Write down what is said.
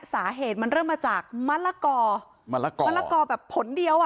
สาเหตุมันเริ่มมาจากมะละกอมะละกอมะละกอแบบผลเดียวอ่ะ